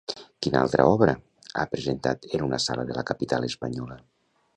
Quina altra obra ha presentat en una sala de la capital espanyola?